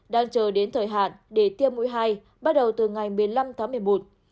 đang chờ đến thời hạn để tiêm mũi hai bắt đầu từ ngày một mươi năm tháng một mươi một